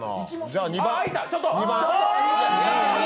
じゃあ、２番。